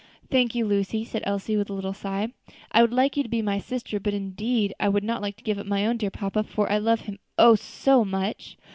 "Thank you, Lucy," said Elsie, with a little sigh, "I would like to be your sister, but indeed I would not like to give up my own dear papa, for I love him, oh! so much."